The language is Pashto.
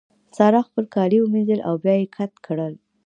سارا خپل کالي ومينځل او بيا يې کت کړې.